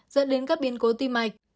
dẫn đến các biến cố tim mạch